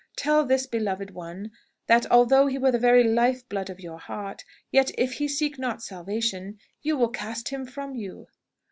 Tell this beloved one that, although he were the very life blood of your heart, yet, if he seek not salvation, you will cast him from you."